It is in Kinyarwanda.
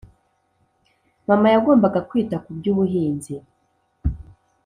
Mama yagombaga kwita ku byu buhinzi